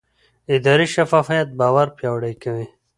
اداري شفافیت باور پیاوړی کوي